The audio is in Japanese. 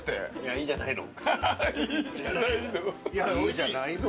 「いいじゃないの」。